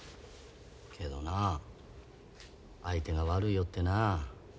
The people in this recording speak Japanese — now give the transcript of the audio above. けどなあ相手が悪いよってな。